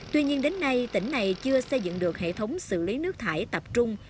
tuy nhiên đến nay tỉnh này chưa xây dựng được hệ thống xử lý nước thải tập trung